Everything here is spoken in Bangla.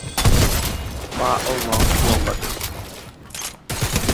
পা ও নখ লম্বাটে।